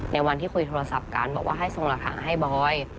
ในวันที่คุยโทรศัพท์กันบอกว่าให้ส่งหลักฐานให้บอย